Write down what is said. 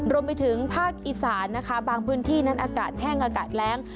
รวมไปถึงภาคอีสานนะคะบางพื้นที่นั้นอากาศแห้งอากาศแรง